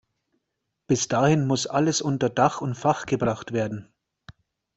Bis dahin muss alles unter Dach und Fach gebracht werden.